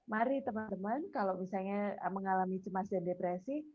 mari teman teman kalau misalnya mengalami cemas dan depresi